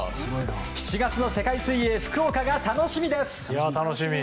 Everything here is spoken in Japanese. ７月の世界水泳福岡が楽しみです。